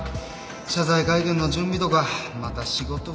謝罪会見の準備とかまた仕事増えるぞ。